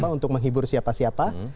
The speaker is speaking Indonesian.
untuk menghibur siapa siapa